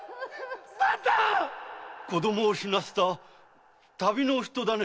〕子どもを死なせた旅のお人だね。